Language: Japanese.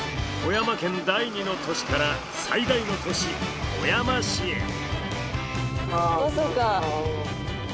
富山県第２の都市から最大の都市富山市へ。